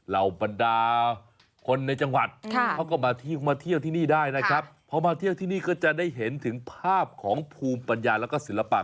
เหล่าบรรดาคนในจังหวัดเขาก็มาเที่ยวที่นี่ได้นะครับพอมาเที่ยวที่นี่ก็จะได้เห็นถึงภาพของภูมิปัญญาแล้วก็ศิลปะ